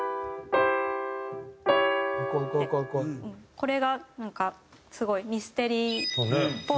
これがなんかすごいミステリーっぽい。